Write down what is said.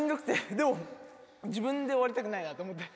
でも自分で終わりたくないなと思って。